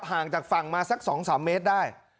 ห่างจากฝั่งมาสักสองสามเมตรได้